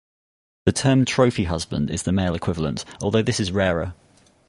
The term trophy husband is the male equivalent, although this is rarer.